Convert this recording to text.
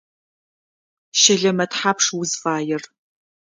Щэлэмэ тхьапш узфаер?